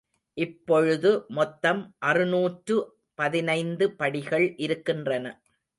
இப்பொழுது மொத்தம் அறுநூற்று பதினைந்து படிகள் இருக்கின்றன.